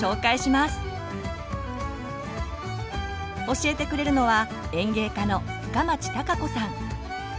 教えてくれるのは園芸家の深町貴子さん。